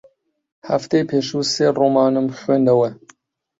هەفتەی پێشوو سێ ڕۆمانم خوێندەوە.